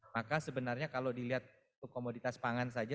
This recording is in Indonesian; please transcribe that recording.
maka sebenarnya kalau dilihat untuk komoditas pangan saja